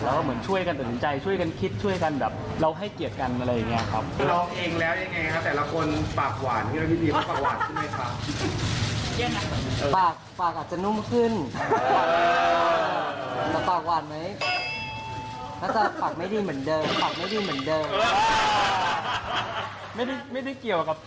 แล้วเหมือนช่วยกันสนใจช่วยกันคิดช่วยกันแบบเราให้เกียรติกันอะไรอย่างนี้ครับ